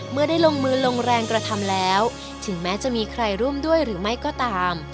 เมื่อได้ลงมือลงแรงกระทำแล้วถึงแม้จะมีใครร่วมด้วยหรือไม่ก็ตาม